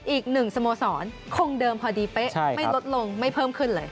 อีกหนึ่งสโมสรคงเดิมพอดีเป๊ะไม่ลดลงไม่เพิ่มขึ้นเลย